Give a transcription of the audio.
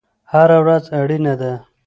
هره ورځ اړینه ده